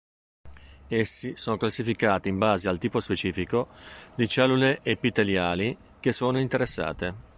Essi sono classificati in base al tipo specifico di cellule epiteliali che sono interessate.